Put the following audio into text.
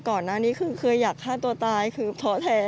ก่อนหน้านี้คือเคยอยากฆ่าตัวตายคือท้อแท้